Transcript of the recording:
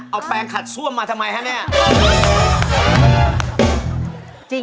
เอาแปลงขัดซ่วมมาทำไมคะเนี่ย